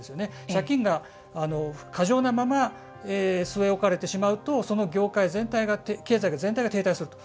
借金が過剰なまま据え置かれてしまうとその業界全体が経済全体が停滞すると。